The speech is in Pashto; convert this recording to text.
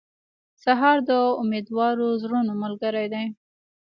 سهار د امیدوارو زړونو ملګری دی.